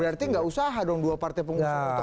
berarti enggak usaha dong dua partai pengusaha